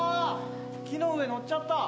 木の上のっちゃった。